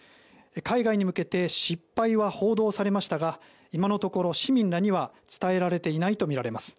海外に向けて失敗は報道されましたが今のところ市民らには伝えられていないとみられます。